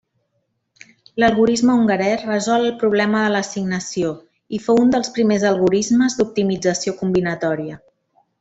L'algorisme hongarès resol el problema de l'assignació i fou un dels primers algorismes d'optimització combinatòria.